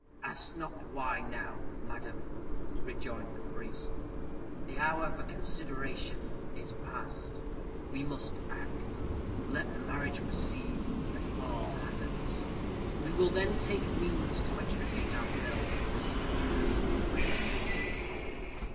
"Ask not why now, madam," rejoined the priest. "The hour for consideration is past. We must act. Let the marriage proceed, at all hazards; we will then take means to extricate ourselves from this accursed place."